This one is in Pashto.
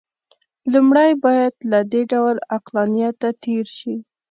لومړی باید له دې ډول عقلانیته تېر شي.